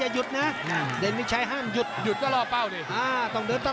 อยุดว่าลอเป้าดิ